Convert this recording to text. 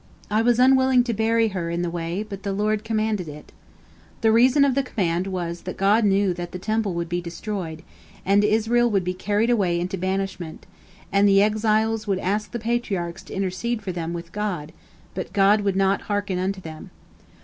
I was unwilling to bury her in the way, but the Lord commanded it." The reason of the command was that God knew that the Temple would be destroyed, and Israel would be carried away into banishment, and the exiles would ask the Patriarchs to intercede for them with God, but God would not hearken unto them.